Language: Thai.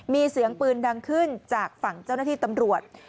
มีเสียงปืนดังขึ้นจากฝั่งเจ้าหน้าที่ตำรวจ